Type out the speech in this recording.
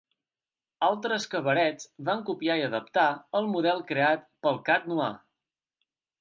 Altres cabarets van copiar i adaptar el model creat pel "Chat Noir".